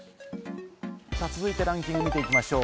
続いてランキングを見ていきましょう。